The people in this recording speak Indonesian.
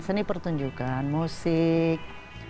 seni pertunjukan musik